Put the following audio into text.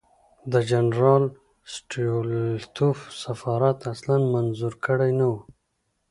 د جنرال سټولیتوف سفارت اصلاً منظور کړی نه وو.